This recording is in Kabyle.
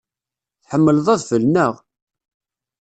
Tḥemmleḍ adfel, naɣ?